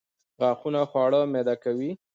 غاښونه خواړه میده کوي